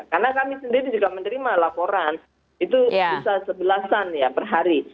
karena kami sendiri juga menerima laporan itu bisa sebelasan per hari